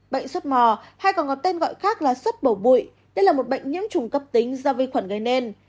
bệnh suất mò hay còn có tên gọi khác là suất bổ bụi đây là một bệnh nhiễm trùng cấp tính do vi khuẩn gây nên